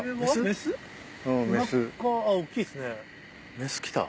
メス来た。